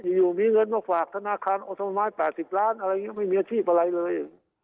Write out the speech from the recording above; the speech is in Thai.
อยู่มีเงินมาฝากธนาคารออมไม้๘๐ล้านอะไรอย่างนี้ไม่มีอาชีพอะไรเลย